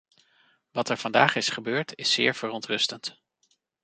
Wat er vandaag is gebeurd, is zeer verontrustend.